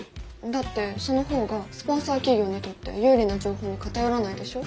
だってその方がスポンサー企業にとって有利な情報に偏らないでしょ。